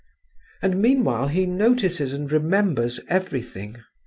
And meanwhile he notices and remembers everything.